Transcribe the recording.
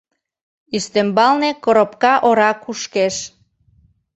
Ӱстембалне коробка ора кушкеш.